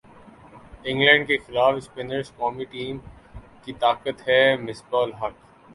England کیخلاف spinners قومی team کی طاقت ہیں مصباح الحق